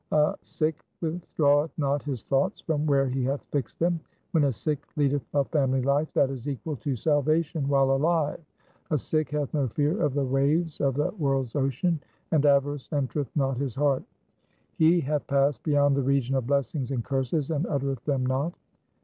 A Sikh withdraweth not his thoughts from where he hath fixed them. When a Sikh leadeth a family life, that is equal to salvation while alive. A Sikh 1 VI. 2 XX. 254 THE SIKH RELIGION hath no fear of the waves of the world's ocean, and avarice entereth not his heart. He hath passed beyond the region of blessings and curses and uttereth them not.